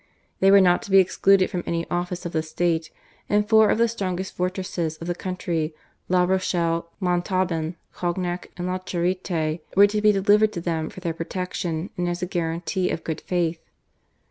They were not to be excluded from any office of the state, and four of the strongest fortresses of the country, La Rochelle, Montauban, Cognac, and La Charite were to be delivered to them for their protection and as a guarantee of good faith.